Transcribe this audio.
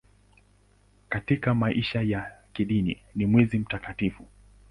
Katika maisha ya kidini ni mwezi mtakatifu.